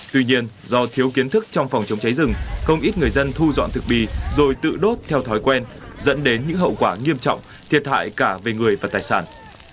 tuy nhiên do thiếu kiến thức trong phòng chống cháy rừng không ít người dân thu dọn thực bì rồi tự đốt theo thói quen dẫn đến những hậu quả nghiêm trọng thiệt hại cả về người và tài sản